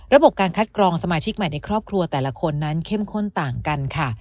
ระบบการคัดกรองสมาชิกใหม่ในครอบครัวแต่ละคนนั้นเข้มข้นต่างกันค่ะ